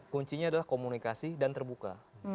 kuncinya adalah komunikasi dan terbuka